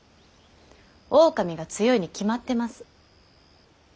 狼が強いに決まってます。